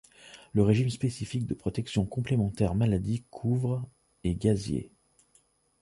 Le régime spécifique de protection complémentaire maladie couvre et gaziers.